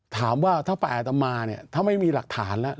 ถามว่าถ้าฝ่ายอัตมาถ้าไม่มีหลักฐานแล้ว